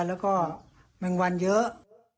แล้วแม่งวั่นเยอะ